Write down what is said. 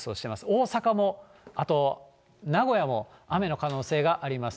大阪もあと名古屋も雨の可能性があります。